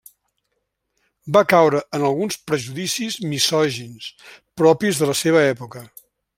Va caure en alguns prejudicis misògins propis de la seva època.